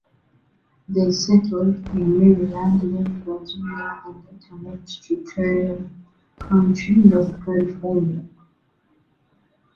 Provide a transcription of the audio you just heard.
They settled in Maryland, then Virginia, and later moved to Tyrrell County, North Carolina.